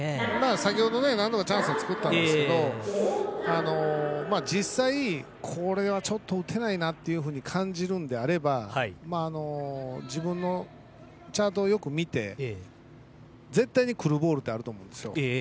先ほどは何度かチャンスを作ったんですがこれは打てないなと感じるのであれば自分のチャートをよく見て絶対に来るボールってあると思うんですよ。